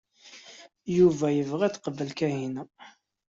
Yuba yebɣa ad teqbel Kahina.